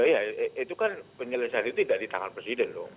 ya itu kan penyelesaian itu tidak di tangan presiden loh